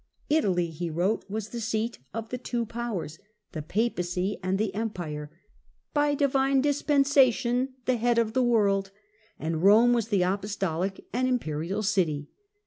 Italy, he wrote, was the seat of the "two powers," tlie Papacy and the Empire, " by divine dispensation the head of the world," and Rome was the apostolic and imperial city.